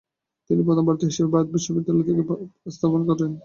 তিনি প্রথম ভারতীয় হিসেবে ভারতে বিশ্ববিদ্যালয় স্থাপনের প্রস্তাব করেন।